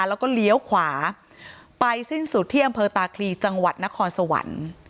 แล้วก็เลี้ยวขวาไปสิ้นสุดที่อำเภอตาคลีจังหวัดนครสวรรค์